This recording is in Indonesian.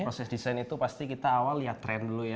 jadi untuk proses desain itu pasti kita awal lihat tren dulu ya